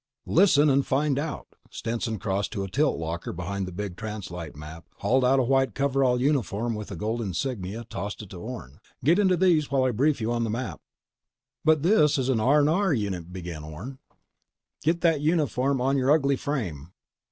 "Listen, and find out." Stetson crossed to a tilt locker behind the big translite map, hauled out a white coverall uniform with gold insignia, tossed it to Orne. "Get into these while I brief you on the map." "But this is an R&R uni—" began Orne. "Get that uniform on your ugly frame!"